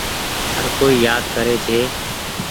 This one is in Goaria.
هر ڪوئي يآد ڪري ڇي۔